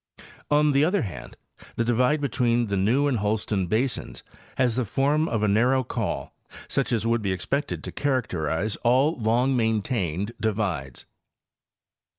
On the other hand, the divide between the New and Holston basins has the form of a narrow col, such as would be expected to characterize all long maintained divides.